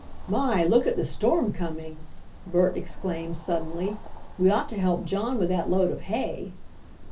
"My, look at the storm coming!" Bert exclaimed suddenly. "We ought to help John with that load of hay."